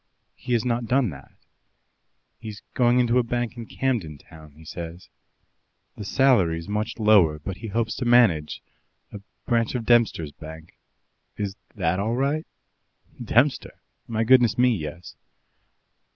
"He has not done that. He's going into a bank in Camden Town, he says. The salary's much lower, but he hopes to manage a branch of Dempster's Bank. Is that all right?" "Dempster! My goodness me, yes."